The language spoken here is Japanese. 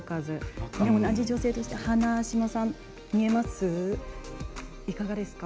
同じ女性として花島さんいかがですか？